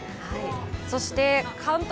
そして、関東